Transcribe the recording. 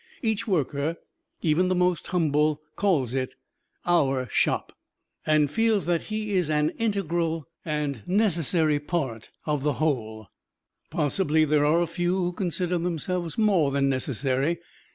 Each worker, even the most humble, calls it "Our Shop," and feels that he is an integral and necessary part of the Whole. Possibly there are a few who consider themselves more than necessary.